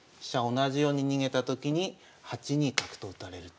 同じように逃げたときに８二角と打たれると。